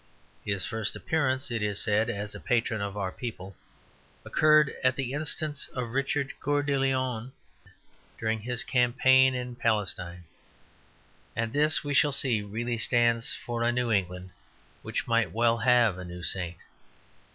His first appearance, it is said, as a patron of our people, occurred at the instance of Richard Coeur de Lion during his campaign in Palestine; and this, as we shall see, really stands for a new England which might well have a new saint.